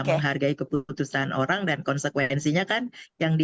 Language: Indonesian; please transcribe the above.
menghargai keputusan orang dan konsekuensinya kan yang akan dihadapi orang lain